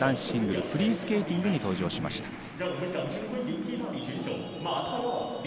シングルフリースケーティングに登場しました。